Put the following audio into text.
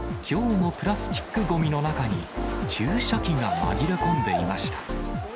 きょうもプラスチックごみの中に、注射器が紛れ込んでいました。